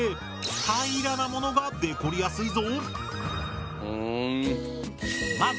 平らなものがデコりやすいぞ。